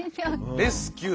レスキュー？